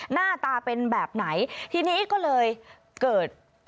หน้าตาเป็นแบบไหนทีนี้ก็เลยเกิด